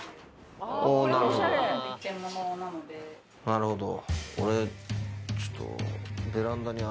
なるほど。